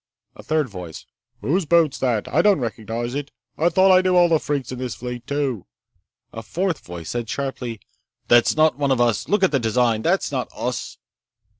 A third voice; "What boat's that? I don't recognize it! I thought I knew all the freaks in this fleet, too!" A fourth voice said sharply: "That's not one of us! Look at the design! That's not us!"